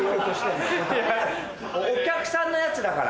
お客さんのやつだから。